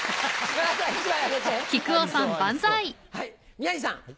宮治さん。